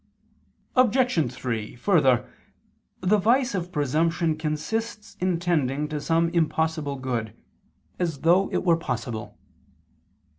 Obj. 3: Further, the vice of presumption consists in tending to some impossible good, as though it were possible.